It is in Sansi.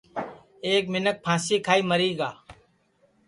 ایک منکھ پھانٚسی کھائی مری گا